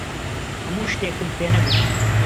هەموو شتێکم پێ نەگوت.